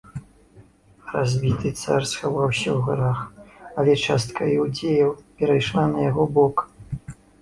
Разбіты цар схаваўся ў горах, але частка іўдзеяў перайшла на яго бок.